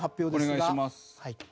お願いします。